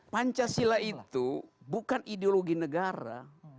pancasila itu bukan ideologi negara